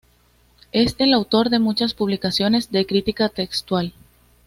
Él es el autor de muchas publicaciones de crítica textual.